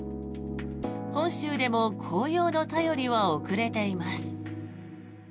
本州でも紅葉の便りは遅れています。